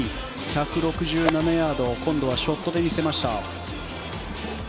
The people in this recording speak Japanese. １６７ヤード今度はショットで見せました。